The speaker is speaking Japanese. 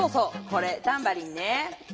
これタンバリンね。